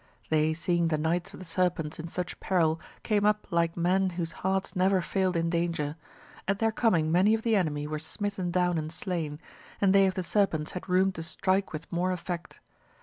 They seeing the Knights of the Serpents in such peril came up like men whose hearts never failed in danger; at their coming many of the enemy were smitten down and slain, and they of the Serpents had room to strike with more effect.